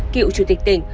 cựu chủ tịch tỉnh